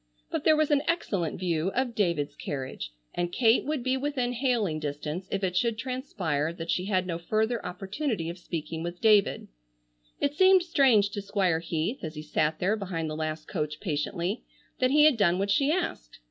But there was an excellent view of David's carriage and Kate would be within hailing distance if it should transpire that she had no further opportunity of speaking with David. It seemed strange to Squire Heath, as he sat there behind the last coach patiently, that he had done what she asked.